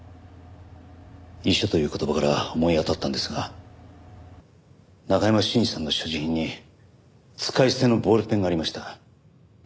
遺書という言葉から思い当たったんですが中山信二さんの所持品に使い捨てのボールペンがありました。